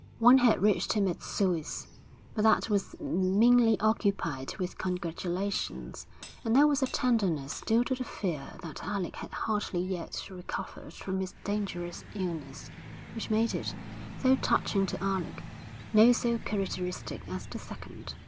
One had reached him at Suez; but that was mainly occupied with congratulations, and there was a tenderness due to the fear that Alec had hardly yet recovered from his dangerous illness, which made it, though touching to Alec, not so characteristic as the second.